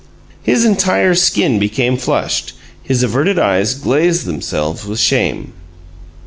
His entire skin became flushed; his averted eyes glazed themselves with shame.